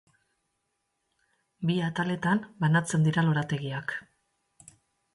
Bi ataletan banatzen dira lorategiak.